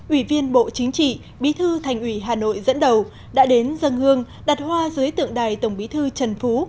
ủy viên bộ chính trị bí thư thành ủy hà nội dẫn đầu đã đến dân hương đặt hoa dưới tượng đài tổng bí thư trần phú